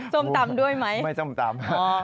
ส้มตำด้วยไหมไม่ส้มตำ